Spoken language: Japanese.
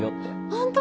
ホント？